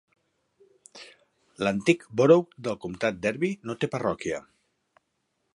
L'antic Borough del comtat de Derby no té parròquia.